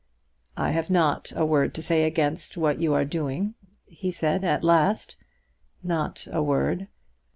"I have not a word to say against what you are doing," he said at last; "not a word.